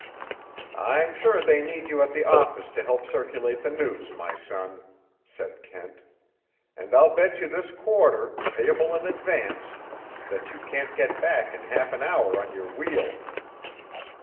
"I'm sure they need you at the office to help circulate the news, my son," said Kent. "And I'll bet you this quarter, payable in advance, that you can't get back in half an hour on your wheel."